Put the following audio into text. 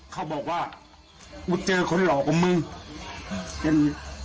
เขาบอกว่ามึงเจอคนหล่อกว่ามึง